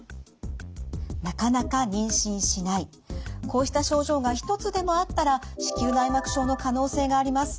こうした症状が一つでもあったら子宮内膜症の可能性があります。